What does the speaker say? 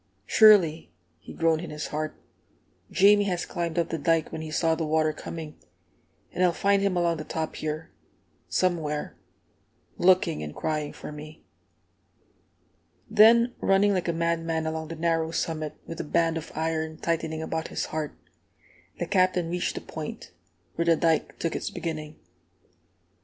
"Surely," he groaned in his heart, "Jamie has climbed up the dike when he saw the water coming, and I'll find him along the top here, somewhere, looking and crying for me!" Then, running like a madman along the narrow summit, with a band of iron tightening about his heart, the Captain reached the Point, where the dike took its beginning.